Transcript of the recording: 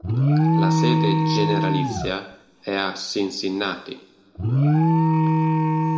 La sede generalizia è a Cincinnati.